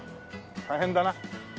大変だな。